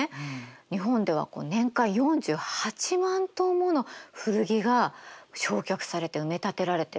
日本では年間４８万ｔもの古着が焼却されて埋め立てられてる。